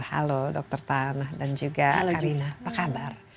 halo dr tanah dan juga karina apa kabar